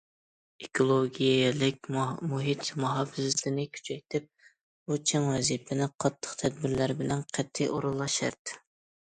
ئېكولوگىيەلىك مۇھىت مۇھاپىزىتىنى كۈچەيتىپ، بۇ چىڭ ۋەزىپىنى قاتتىق تەدبىرلەر بىلەن قەتئىي ئورۇنلاش شەرت.